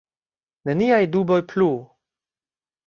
Neniaj duboj plu!